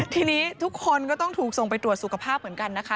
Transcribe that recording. ทีนี้ทุกคนก็ต้องถูกส่งไปตรวจสุขภาพเหมือนกันนะคะ